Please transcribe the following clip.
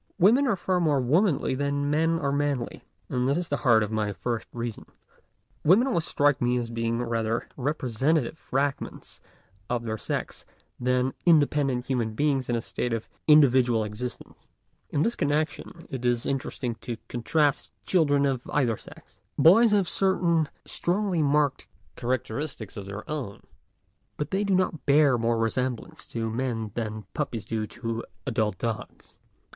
Women are far more womanly than men are manly, and this is the heart of my first reason. Women always strike me as being rather representa 128 MONOLOGUES tive fragments of their sex than independent human beings in a state of individual exist ence. In this connection it is interesting to contrast children of either sex. Boys have certain strongly marked characteristics of their own, but they do not bear more re semblance to men than puppies do to adult dogs.